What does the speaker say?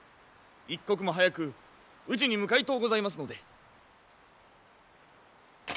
一刻も早く宇治に向かいとうございますので。